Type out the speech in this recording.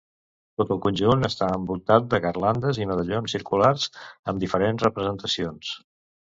Tot el conjunt està envoltat de garlandes i medallons circulars, amb diferents representacions.